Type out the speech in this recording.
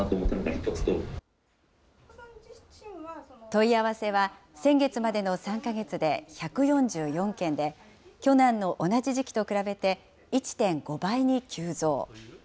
問い合わせは、先月までの３か月で１４４件で、去年の同じ時期と比べて１．５倍に急増。